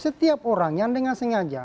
setiap orang yang dengan sengaja